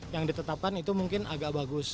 yang ditetapkan itu mungkin agak bagus